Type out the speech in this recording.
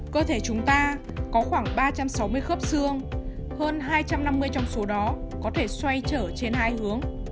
cơ thể chúng ta có khoảng ba trăm sáu mươi khớp xương hơn hai trăm năm mươi trong số đó có thể xoay trở trên hai hướng